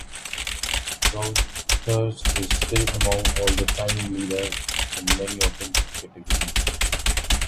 Brouthers is still among the all-time leaders in many offensive categories.